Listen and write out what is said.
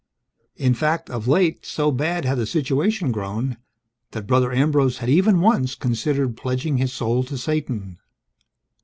In fact, of late, so bad had the situation grown that Brother Ambrose had even once considered pledging his soul to Satan.